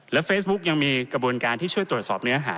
เฟซบุ๊กยังมีกระบวนการที่ช่วยตรวจสอบเนื้อหา